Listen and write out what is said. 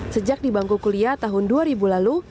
sejak di bangku kuliah tahun dua ribu lalu